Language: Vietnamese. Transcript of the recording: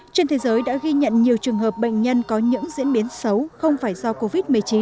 trên thế giới đã ghi nhận nhiều trường hợp bệnh nhân có những diễn biến xấu không phải do covid một mươi chín